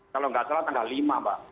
kalau nggak salah tanggal lima mbak